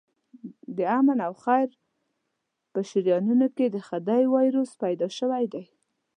د آمن او خیر په شریانونو کې د خدۍ وایروس پیدا شوی دی.